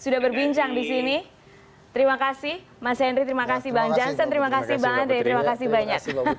terima kasih terima kasih terima kasih banyak